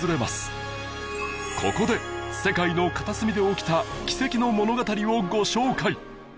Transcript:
ここで世界の片隅で起きた奇跡の物語をご紹介